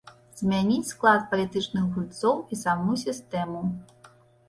Змяніць склад палітычных гульцоў і саму сістэму.